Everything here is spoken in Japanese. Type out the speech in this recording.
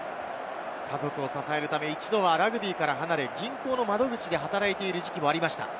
家族を支えるため一度はラグビーから離れ、銀行の窓口で働いている時期もありました。